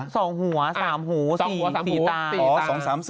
ก็๒หัว๓หู๔ตา